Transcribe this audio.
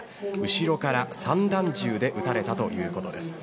後ろから散弾銃で撃たれたということです。